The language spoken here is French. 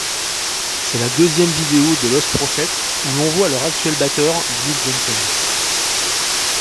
C'est la deuxième vidéo de Lostprophets où l'on voit leur actuel batteur Luke Johnson.